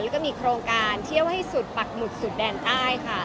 แล้วก็มีโครงการเที่ยวให้สุดปักหมุดสุดแดนใต้ค่ะ